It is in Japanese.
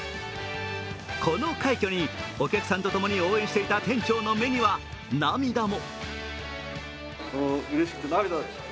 この快挙に、お客さんとともに応援していた店長の目には涙も。